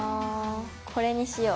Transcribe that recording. これにしよう。